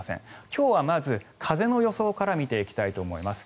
今日はまず風の予想から見ていきたいと思います。